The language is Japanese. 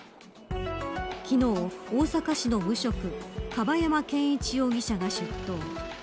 昨日、大阪市の無職樺山健一容疑者が出頭。